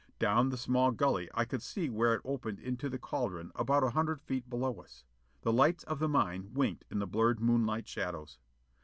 Down the small gully I could see where it opened into the cauldron about a hundred feet below us. The lights of the mine winked in the blurred moonlight shadows.